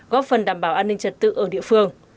góp phần đảm bảo an ninh trật tự ở địa phương